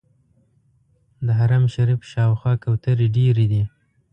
د حرم شریف شاوخوا کوترې ډېرې دي.